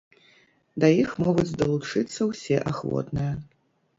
Да іх могуць далучыцца ўсе ахвотныя.